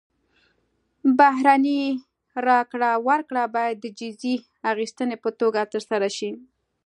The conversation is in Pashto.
بهرنۍ راکړه ورکړه باید د جزیې اخیستنې په توګه ترسره شي.